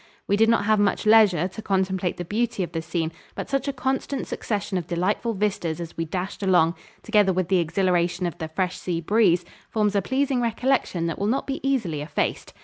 We did not have much leisure to contemplate the beauty of the scene, but such a constant succession of delightful vistas as we dashed along, together with the exhilaration of the fresh sea breeze, forms a pleasing recollection that will not be easily effaced.